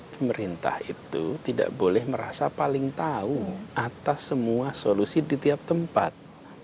pemerintah itu tidak boleh merasa paling tahu atas semua solusi di tiap tempat